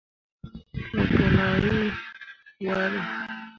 Mo gi nah hii hwaare.